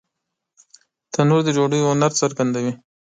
تنور د ډوډۍ هنر څرګندوي